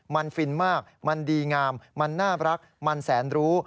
มันฟินมากมันดีงามมันน่ารักมันแสนรู้